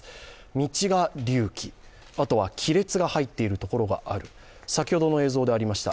道が隆起、あとは亀裂が入っているところがある先ほどの映像でありました